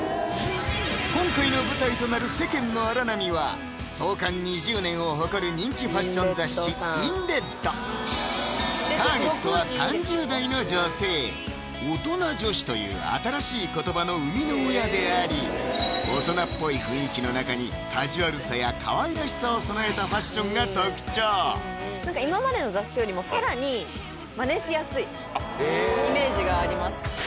今回の舞台となる世間の荒波は創刊２０年を誇る人気ファッション雑誌・「ＩｎＲｅｄ」ターゲットは３０代の女性「大人女子」という新しい言葉の生みの親であり大人っぽい雰囲気の中にカジュアルさやかわいらしさを備えたファッションが特徴イメージがあります